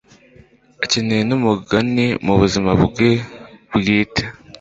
Akeneye umugani mu buzima bwe bwite